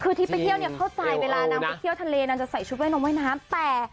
คือที่ไปเที่ยวเนี้ยเข้าใจเป็นไงนะเขาไปที่เที่ยวทะเลมันจะใส่ชุดแว่นม้วยน้ำแต่